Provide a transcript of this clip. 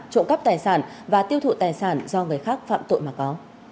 trộm cắp tài sản và tiêu thụ tài sản do người khác phạm tội mà có